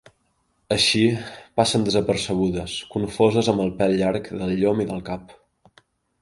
Així, passen desapercebudes, confoses amb el pèl llarg del llom i del cap.